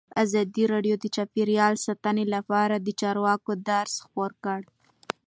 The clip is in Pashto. ازادي راډیو د چاپیریال ساتنه لپاره د چارواکو دریځ خپور کړی.